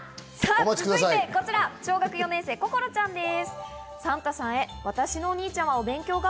続いてはこちら、小学４年生、こころちゃんです。